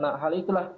nah hal itulah